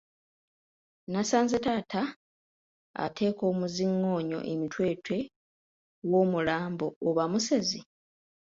Nasanze taata ateeka omuziŋoonyo emitwetwe w'omulambo oba musezi?